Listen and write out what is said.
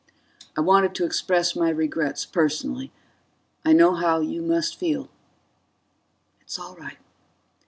"I wanted to express my regrets personally. I know how you must feel." "It's all right."